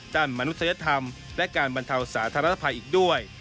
มนุษยธรรมและการบรรเทาสาธารณภัยอีกด้วย